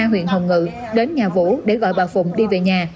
vũ đến huyện hồng ngự đến nhà vũ để gọi bà phụng đi về nhà